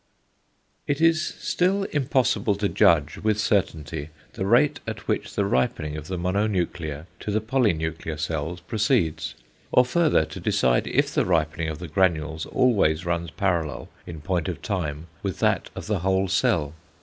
It is still impossible to judge with certainty the rate at which the ripening of the mononuclear to the polynuclear cells proceeds, or further to decide if the ripening of the granules always runs parallel in point of time with that of the whole cell.